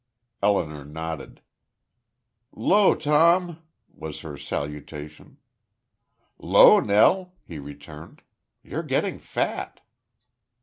Elinor nodded. "'Lo, Tom," was her salutation. "'Lo, Nell," he returned. "You're getting fat."